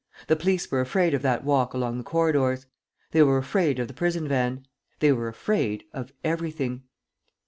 The police were afraid of that walk along the corridors. They were afraid of the prison van. They were afraid of everything.